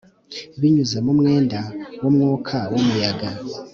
Binyuze mu mwenda wumwuka wumuyaga